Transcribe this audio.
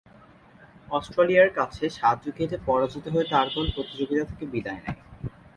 অস্ট্রেলিয়ার কাছে সাত উইকেটে পরাজিত হয়ে তার দল প্রতিযোগিতা থেকে বিদায় নেয়।